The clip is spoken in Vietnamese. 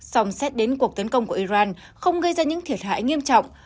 song xét đến cuộc tấn công của iran không gây ra những thiệt hại nghiêm trọng